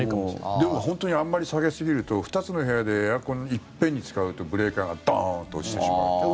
でも、本当にあまり下げすぎると２つの部屋でエアコン、一遍に使うとブレーカーがドーンと落ちてしまう。